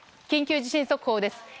緊急地震速報です。